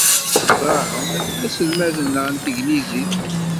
Brown d aselmad-nneɣ n tanglizit.